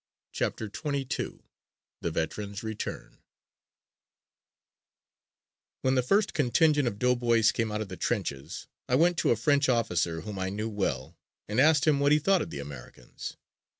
CHAPTER XXI THE VETERANS RETURN When the first contingent of doughboys came out of the trenches I went to a French officer whom I knew well and asked him what he thought of the Americans.